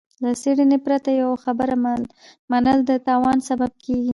له څېړنې پرته يوه خبره منل د تاوان سبب کېږي.